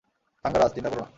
থাঙ্গারাজ, চিন্তা করো না।